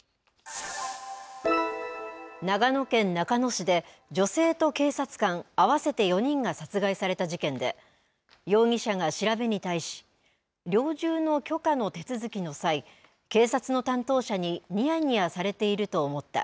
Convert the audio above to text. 長野県中野市で女性と警察官合わせて４人が殺害された事件で容疑者が調べに対し猟銃の許可の手続きの際警察の担当者ににやにやされていると思った。